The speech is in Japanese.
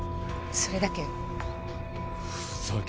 それだけよ。